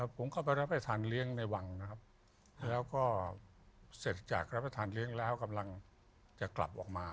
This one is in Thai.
ผมเข้าไปรับประทานเลี้ยงในวังนะครับแล้วก็เสร็จจากรับประทานเลี้ยงแล้วกำลังจะกลับออกมา